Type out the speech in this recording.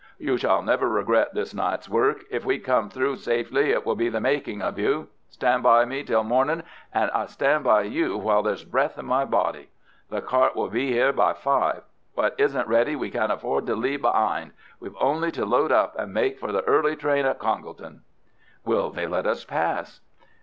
"You shall never regret this night's work. If we come through safely it will be the making of you. Stand by me till mornin', and I stand by you while there's breath in my body. The cart will be 'ere by five. What isn't ready we can afford to leave be'ind. We've only to load up and make for the early train at Congleton." "Will they let us pass?"